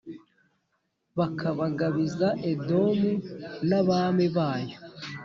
bakabagabiza Edomu nabami bayo